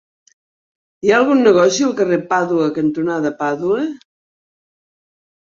Hi ha algun negoci al carrer Pàdua cantonada Pàdua?